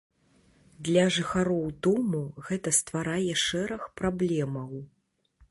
Для жыхароў дому гэта стварае шэраг праблемаў.